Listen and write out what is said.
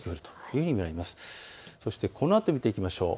このあと見ていきましょう。